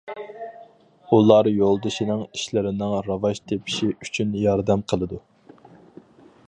ئۇلار يولدىشىنىڭ ئىشلىرىنىڭ راۋاج تېپىشى ئۈچۈن ياردەم قىلىدۇ.